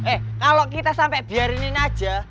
eh kalo kita sampe biarin aja